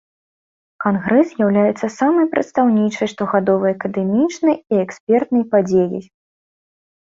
Кангрэс з'яўляецца самай прадстаўнічай штогадовай акадэмічнай і экспертнай падзеяй.